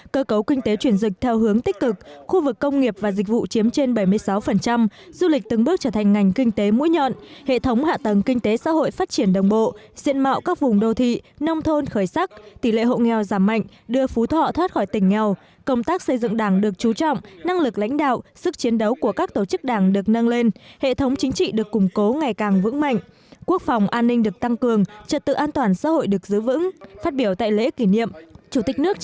cơ cấu kinh tế chuyển dịch theo hướng tích cực khu vực công nghiệp và dịch vụ chiếm trên bảy mươi sáu du lịch từng bước trở thành ngành kinh tế mũi nhọn hệ thống hạ tầng kinh tế xã hội phát triển đồng bộ diện mạo các vùng đô thị nông thôn khởi sắc tỷ lệ hậu nghèo giảm mạnh đưa phú thọ thoát khỏi tỉnh nghèo công tác xây dựng đảng được trú trọng năng lực lãnh đạo sức chiến đấu của các tổ chức đảng được nâng lên hệ thống chính trị được củng cố ngày càng vững mạnh quốc phòng an ninh